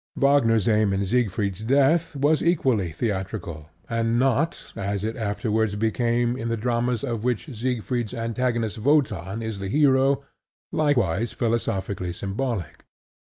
Wagner's aim in Siegfried's Death was equally theatrical, and not, as it afterwards became in the dramas of which Siegfried's antagonist Wotan is the hero, likewise philosophically symbolic.